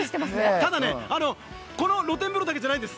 ただね、この露天風呂だけじゃないんです。